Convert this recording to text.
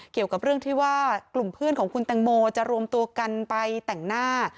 เกี่ยวกับเรื่องที่ว่ากลุ่มเพื่อนของคุณแตงโมจะรวมตัวกันไปแต่งหน้า